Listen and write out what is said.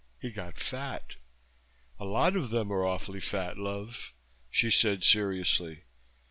He got fat. A lot of them are awfully fat, love," she said seriously.